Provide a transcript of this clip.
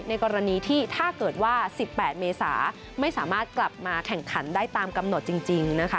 กรณีที่ถ้าเกิดว่า๑๘เมษาไม่สามารถกลับมาแข่งขันได้ตามกำหนดจริงนะคะ